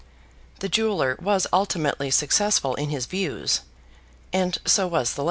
The jeweller was ultimately successful in his views, and so was the lady.